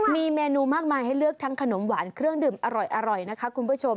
มีเมนูมากมายให้เลือกทั้งขนมหวานเครื่องดื่มอร่อยนะคะคุณผู้ชม